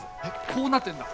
こうなってんだ？